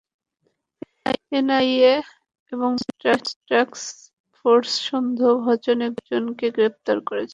NIA এবং বিশেষ task force সন্দেহভাজন একজনকে গ্রেপ্তার করেছে।